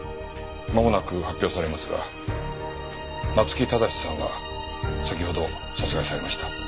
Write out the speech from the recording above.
まもなく発表されますが松木正さんは先ほど殺害されました。